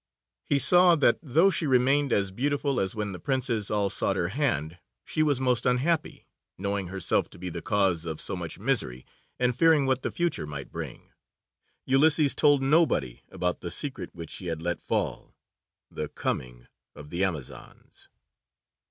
He saw that, though she remained as beautiful as when the princes all sought her hand, she was most unhappy, knowing herself to be the cause of so much misery, and fearing what the future might bring. Ulysses told nobody about the secret which she had let fall, the coming of the Amazons.